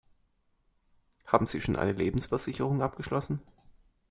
Haben Sie schon eine Lebensversicherung abgeschlossen?